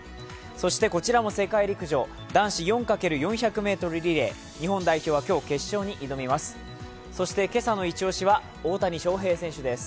そしてこちらも世界陸上男子４×４００ｍリレー日本代表は今日決勝に挑みます。